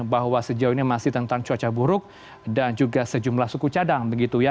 bahwa sejauh ini masih tentang cuaca buruk dan juga sejumlah suku cadang begitu ya